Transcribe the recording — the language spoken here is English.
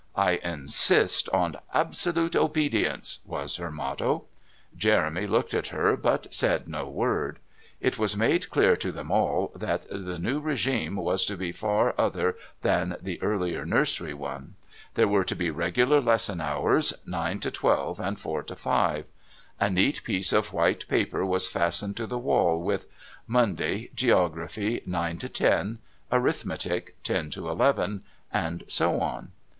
"I insist on absolute obedience," was her motto. Jeremy looked at her but said no word. It was made clear to them all that the new regime was to be far other than the earlier nursery one. There were to be regular lesson hours nine to twelve and four to five. A neat piece of white paper was fastened to the wall with "Monday: Geography 9 10, Arithmetic 10 11," and so on.